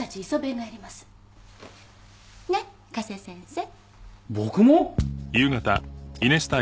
先生